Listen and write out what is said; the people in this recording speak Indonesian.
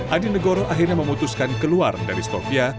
adi negoro akhirnya memutuskan keluar dari stovia